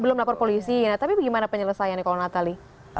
belum lapor polisi nah tapi bagaimana penyelesaiannya kalau natali